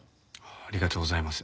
ありがとうございます。